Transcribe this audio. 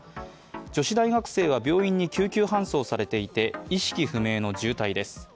女子大学生が病院に救急搬送されていて意識不明の重体です。